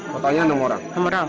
totalnya enam orang